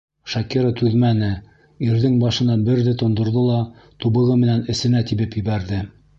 Шакира түҙмәне, ирҙең башына берҙе тондорҙо ла, тубығы менән эсенә тибеп ебәрҙе.